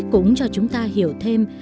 cũng cho chúng ta hiểu thêm